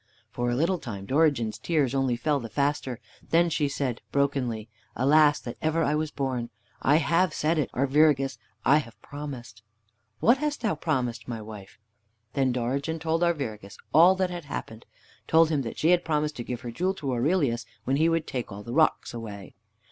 For a little time Dorigen's tears only fell the faster, then she said brokenly: "Alas, that ever I was born! I have said it! Arviragus! I have promised!" "What hast thou promised, my wife?" Then Dorigen told Arviragus all that had happened; told him that she had promised to give her jewel to Aurelius when he would take all the rocks away.